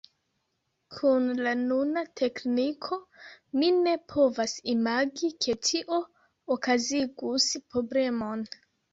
Kun la nuna tekniko, mi ne povas imagi, ke tio okazigus problemon!